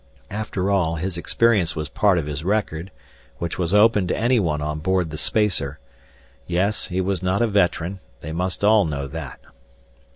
After all, his experience was part of his record, which was open to anyone on board the spacer. Yes, he was not a veteran; they must all know that.